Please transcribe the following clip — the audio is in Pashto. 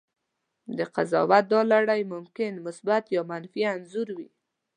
د قضاوت دا لړۍ ممکن مثبت یا منفي انځور وي.